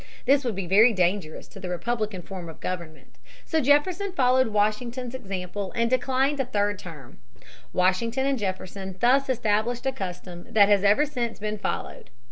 This would be very dangerous to the republican form of government. So Jefferson followed Washington's example and declined a third term, Washington and Jefferson thus established a custom that has ever since been followed.